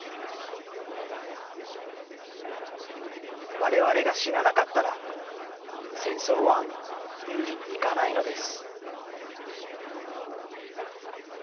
われわれが死ななかったら戦争は有利に行かないのです。